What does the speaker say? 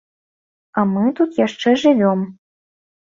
А мы тут яшчэ жывём.